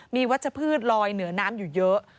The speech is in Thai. มีวัชพืชลอยเหนือน้ำอยู่เยอะ